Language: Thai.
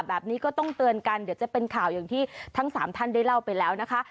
แบบนี้ก็ต้องเตือนกันเดี๋ยวจะเป็นข่าวอย่างที่ทั้งสามท่านได้เล่าไปแล้วนะคะ